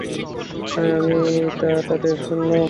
তাই আমি তা তাদের শুনালাম।